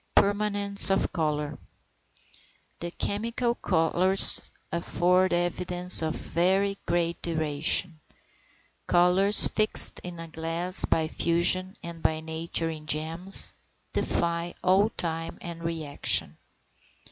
PERMANENCE OF COLOUR. 714. The chemical colours afford evidence of very great duration. Colours fixed in glass by fusion, and by nature in gems, defy all time and re action.